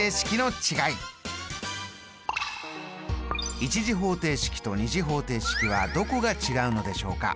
１次方程式と２次方程式はどこが違うのでしょうか。